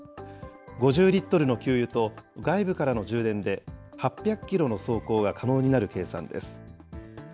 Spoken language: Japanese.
５０リットルの給油と外部からの充電で、８００キロの走行が可能になる計算です。